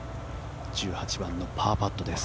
１８番のパーパットです。